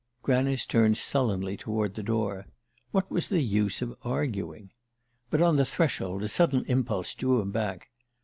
Granice turned sullenly toward the door. What was the use of arguing? But on the threshold a sudden impulse drew him back.